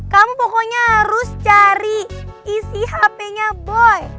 kamu pokoknya harus cari isi hpnya boy